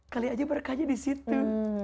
kali aja berkahnya disitu